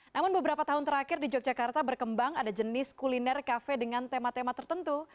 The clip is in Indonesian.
namun beberapa tahun terakhir di yogyakarta berkembang ada jenis kuliner kafe dengan tema tema tertentu